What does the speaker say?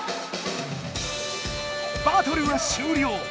バトルはしゅうりょう！